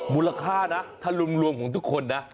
มูลค่านะถ้ารวมของทุกคนนะ